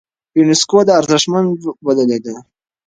يونسکو دا ارزښتمن بللی دی.